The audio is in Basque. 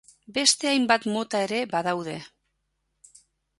Beste hainbat mota ere badaude.